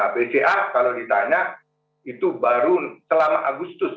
bca kalau ditanya itu baru selama agustus